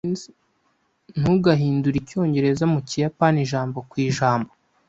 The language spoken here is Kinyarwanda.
Ntugahindure Icyongereza mu kiyapani ijambo ku ijambo.